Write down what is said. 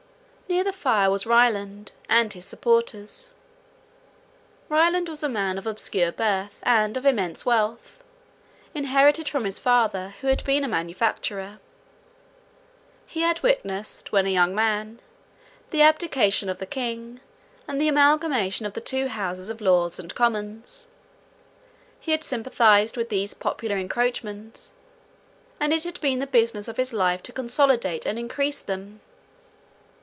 Near the fire was Ryland and his supporters. Ryland was a man of obscure birth and of immense wealth, inherited from his father, who had been a manufacturer. He had witnessed, when a young man, the abdication of the king, and the amalgamation of the two houses of Lords and Commons; he had sympathized with these popular encroachments, and it had been the business of his life to consolidate and encrease them.